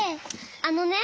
あのね。